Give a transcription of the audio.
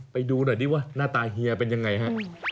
ไปดูหน่อยดิว่าหน้าตาเฮียเป็นยังไงฮะ